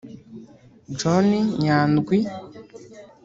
John Nyandwi